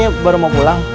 iya mak ini baru mau pulang